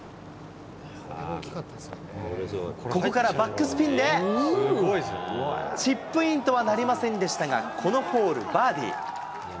ここからバックスピンでチップインとはなりませんでしたが、このホール、バーディー。